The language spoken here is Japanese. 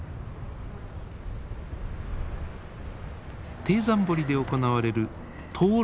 貞山堀で行われる灯籠流し。